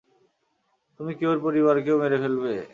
তুমি কি ওর পরিবারকেও মেরে ফেলবে?